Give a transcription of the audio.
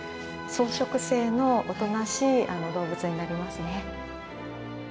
草食性のおとなしい動物になりますね。